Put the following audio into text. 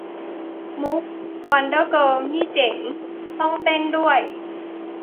มุข 'วันเดอร์เกิร์ล' นี่เจ๋ง ต้องเต้นด้วย